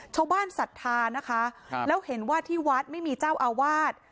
ศรัทธานะคะแล้วเห็นว่าที่วัดไม่มีเจ้าอาวาส